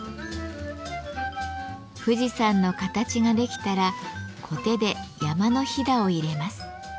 富士山の形ができたらコテで山のひだを入れます。